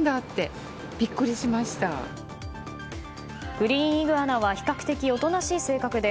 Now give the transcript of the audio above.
グリーンイグアナは比較的おとなしい性格で